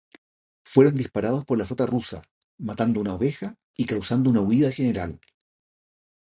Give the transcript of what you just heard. Fueron disparados por la flota rusa, matando una oveja y causando una huida general.